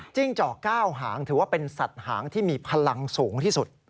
จอก๙หางถือว่าเป็นสัตว์หางที่มีพลังสูงที่สุด